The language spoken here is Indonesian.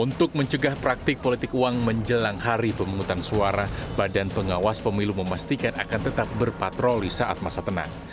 untuk mencegah praktik politik uang menjelang hari pemungutan suara badan pengawas pemilu memastikan akan tetap berpatroli saat masa tenang